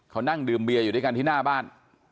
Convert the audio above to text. เขานั่งดื่มเบียอยู่ด้วยกันที่หน้าบ้าน